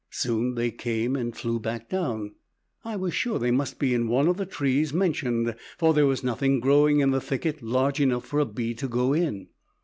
Soon they came and flew back down. I was sure they must be in one of the trees mentioned, for there was nothing growing in the thicket large enough for a bee to go in.